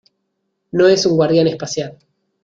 ¡ No es un guardián espacial!